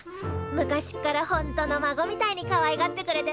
昔っからほんとの孫みたいにかわいがってくれてな。